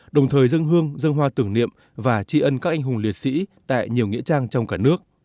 đồng thời dân hương dân hoa tưởng niệm và tri ân các anh hùng liệt sĩ tại nhiều nghĩa trang trong cả nước